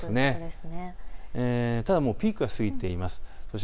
ただもうピークは過ぎています。